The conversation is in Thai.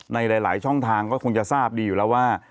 ในหลายช่องทางก็คงจะทราบดีอยู่แล้วว่า